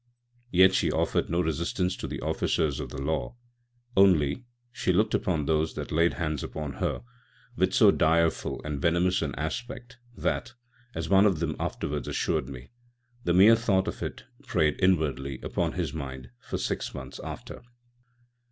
Yet she offer'd no Resistance to the Officers of the Law; onely she looked upon those that laid Hands upon her with so direfull and venomous an Aspect that â€" as one of them afterwards assured me â€" the meer Thought of it preyed inwardly, upon his Mind for six Months after."